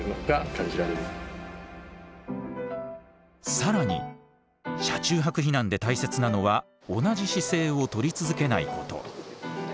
更に車中泊避難で大切なのは同じ姿勢をとり続けないこと。